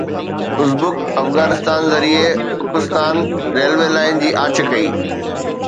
Uzbek Afghanistan ذريعي اکستان railway line جي آڇ ڪئي